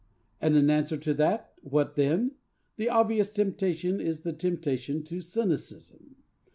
And in answer to that 'What then?' the obvious temptation is the temptation to cynicism.